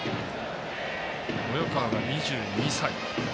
及川が２２歳。